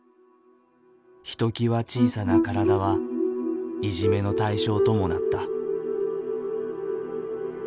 ひときわ小さな体はいじめの対象ともなった。